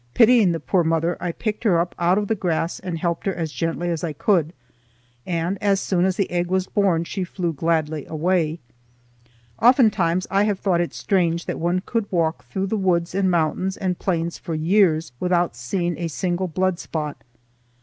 Pitying the poor mother, I picked her up out of the grass and helped her as gently as I could, and as soon as the egg was born she flew gladly away. Oftentimes I have thought it strange that one could walk through the woods and mountains and plains for years without seeing a single blood spot.